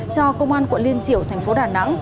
cho công an quận liên triểu tp đà nẵng